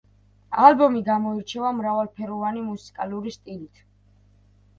ალბომი გამოირჩევა მრავალფეროვანი მუსიკალური სტილით.